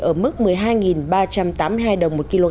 ở mức một mươi hai ba trăm tám mươi hai đồng một kg